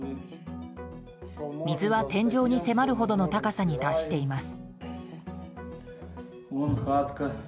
水は天井に迫るほどの高さに達しています。